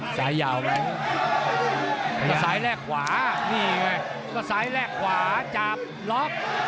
สายแรกขวาชามล็อก